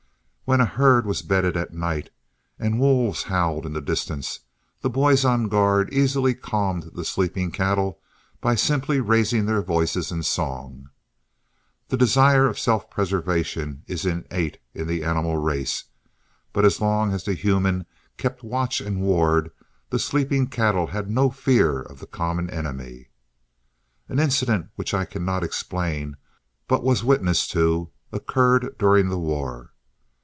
When a herd was bedded at night, and wolves howled in the distance, the boys on guard easily calmed the sleeping cattle by simply raising their voices in song. The desire of self preservation is innate in the animal race, but as long as the human kept watch and ward, the sleeping cattle had no fear of the common enemy. An incident which I cannot explain, but was witness to, occurred during the war.